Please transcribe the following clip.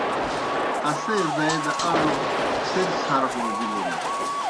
اسے زائی دہ اڙوْ څِھرڅَھر ہو بِلُن۔